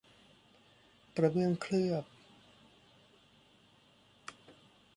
กระเบื้องเคลือบ